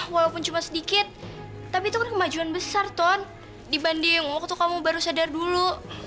walaupun cuma sedikit tapi itu kan kemajuan besar ton dibanding waktu kamu baru sadar dulu